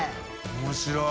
面白い。